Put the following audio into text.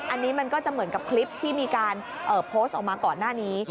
อันนี้มันก็จะเหมือนกับคลิปที่มีการโพสต์ออกมาก่อนหน้านี้